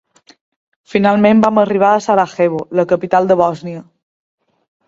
Finalment vam arribar a Sarajevo, la capital de Bòsnia.